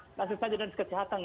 tidak perlu kementerian kesehatan